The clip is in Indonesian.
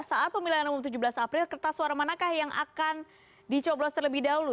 saat pemilihan umum tujuh belas april kertas suara manakah yang akan dicoblos terlebih dahulu